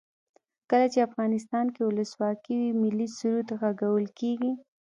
کله چې افغانستان کې ولسواکي وي ملي سرود غږول کیږي.